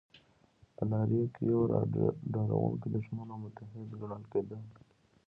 الاریک یو ډاروونکی دښمن او متحد ګڼل کېده